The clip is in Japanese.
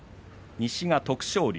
西が徳勝龍。